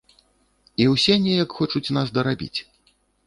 І ўсе неяк хочуць нас дарабіць.